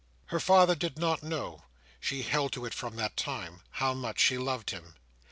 Her father did not know—she held to it from that time—how much she loved him.